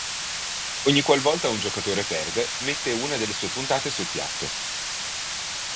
Ogni qualvolta un giocatore perde, mette una delle sue puntate sul piatto.